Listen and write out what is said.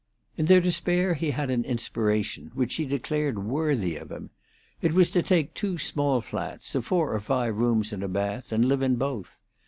In their despair he had an inspiration, which she declared worthy of him: it was to take two small flats, of four or five rooms and a bath, and live in both.